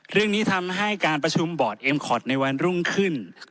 เรื่องนี้ทำให้การประชุมบอร์ดเอ็มคอร์ดในวันรุ่งขึ้น